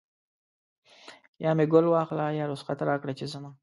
یا مې ګل واخله یا رخصت راکړه چې ځمه